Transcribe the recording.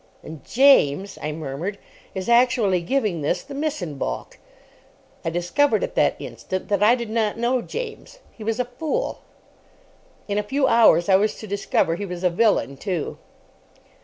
"And James," I murmured, "is actually giving this the miss in baulk!" I discovered, at that instant, that I did not know James. He was a fool. In a few hours I was to discover he was a villain, too.